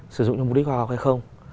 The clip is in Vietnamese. sử dụng cho mục đích hoa học hay không